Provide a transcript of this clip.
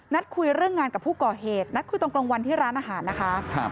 คุยเรื่องงานกับผู้ก่อเหตุนัดคุยตรงกลางวันที่ร้านอาหารนะคะ